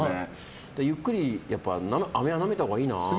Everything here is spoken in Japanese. ゆっくりアメはなめたほうがいいな。